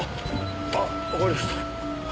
あっわかりました。